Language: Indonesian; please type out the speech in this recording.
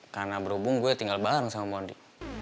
karena berhubung gue tinggal bareng sama mondi